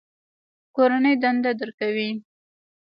کورنۍ دنده درکوي؟